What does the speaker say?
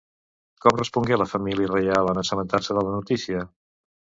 Com respongué la família reial en assabentar-se de la notícia?